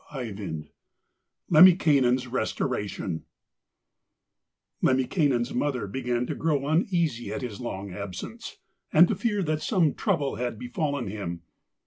LEMMINKAINEN'S RESTORATION Lemminkainen's mother began to grow uneasy at his long absence, and to fear that some trouble had befallen him.